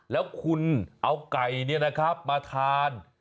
แล้วคุณเอาไก่เนี่ยนะครับมาทาน